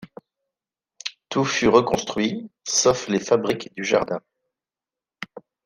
Tout fut reconstruit, sauf les fabriques du jardin.